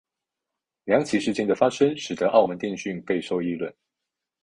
两起事件的发生使得澳门电讯备受议论。